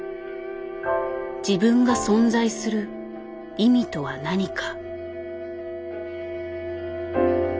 自分が存在する意味とは何か。